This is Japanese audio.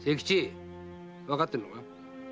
わかってんのか？